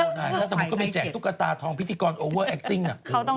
ถ้าสมมุติเขาไปแจกตุ๊กตาทองพิธีกรโอเวอร์แอคติ้งน่ะ